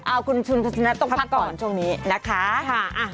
เอ้าคุณชุนชนะต้องพักก่อนช่วงนี้นะคะค่ะอ่ะคุณชุนชนะต้องพักก่อนช่วงนี้นะคะ